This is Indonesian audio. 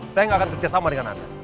saya nggak akan kerjasama dengan anda